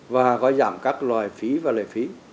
và có giảm các loài phí và lệ phí